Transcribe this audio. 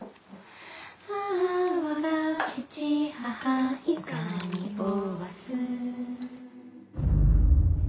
「ああ我が父母いかにおわす」